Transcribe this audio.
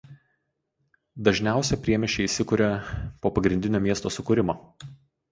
Dažniausia priemiesčiai įsikuria po pagrindinio miesto sukūrimo.